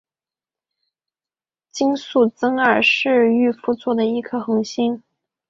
井宿增二是御夫座的一颗恒星。